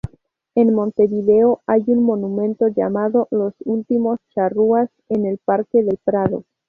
En Montevideo hay un monumento llamado "Los últimos charrúas" en el parque del Prado.